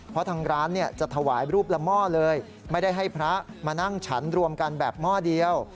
เพราะทางร้านจะถวายรูปละหม้อเลยไม่ได้ให้พระมานั่งฉันรวมกันแบบหม้อเดียว